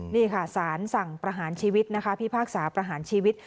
นี่ค่ะสารสั่งประหารชีวิตนะคะพิพากษาประหารชีวิต